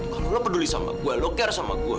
kalau lu peduli sama gua lu kira sama gua